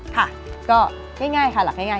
ค่ะก็ง่ายค่ะหลักง่าย